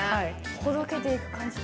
ほどけていく感じ。